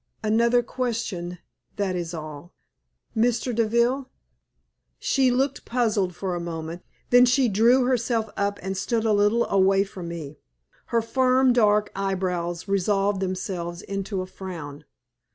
Another question, that is all. Mr. Deville?" She looked puzzled for a moment. Then she drew herself up and stood a little away from me. Her firm, dark eyebrows resolved themselves into a frown.